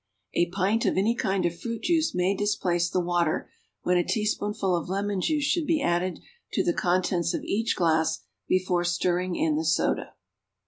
A pint of any kind of fruit juice may displace the water, when a teaspoonful of lemon juice should be added to the contents of each glass before stirring in the soda.